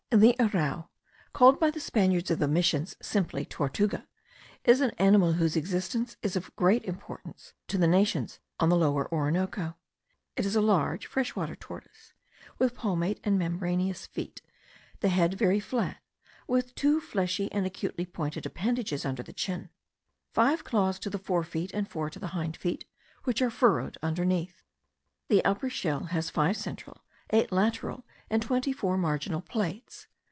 The arrau, called by the Spaniards of the Missions simply tortuga, is an animal whose existence is of great importance to the nations on the Lower Orinoco. It is a large freshwater tortoise, with palmate and membraneous feet; the head very flat, with two fleshy and acutely pointed appendages under the chin; five claws to the fore feet, and four to the hind feet, which are furrowed underneath. The upper shell has five central, eight lateral, and twenty four marginal plates.